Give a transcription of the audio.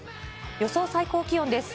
予想最高気温です。